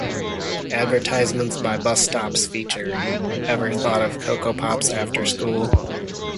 Advertisements by bus stops feature, Ever thought of Coco Pops after school?